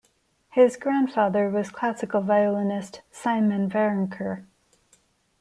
His grandfather was classical violinist Simon Waronker.